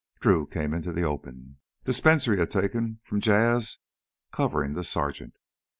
Drew came into the open, the Spencer he had taken from Jas' covering the sergeant.